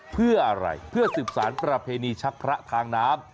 เพื่ออะไรเพื่อสืบสารประเพณีชักพระทางน้ำ